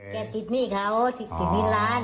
แกจิดหนี้เขาจิดหนี้ร้าน